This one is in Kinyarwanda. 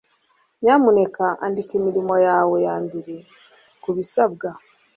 nyamuneka andika imirimo yawe yambere kubisabwa